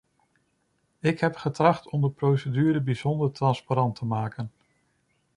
Ik heb getracht om de procedure bijzonder transparant te maken.